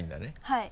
はい。